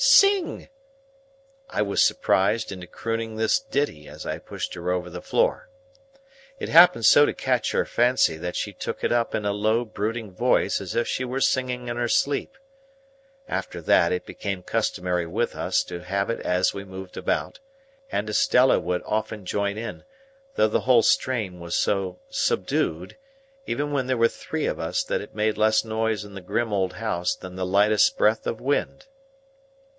Sing!" I was surprised into crooning this ditty as I pushed her over the floor. It happened so to catch her fancy that she took it up in a low brooding voice as if she were singing in her sleep. After that, it became customary with us to have it as we moved about, and Estella would often join in; though the whole strain was so subdued, even when there were three of us, that it made less noise in the grim old house than the lightest breath of wind.